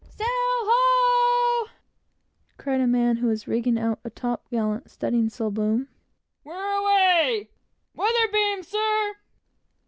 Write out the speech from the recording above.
"Sail ho!" cried a man who was rigging out a top gallant studding sail boom. "Where away?" "Weather beam, sir!"